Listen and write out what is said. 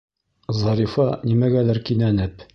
Зарифа, нимәгәлер кинәнеп: